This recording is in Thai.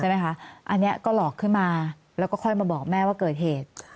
อันนี้ก็หลอกขึ้นมาแล้วก็ค่อยมาบอกแม่ว่าเกิดเหตุ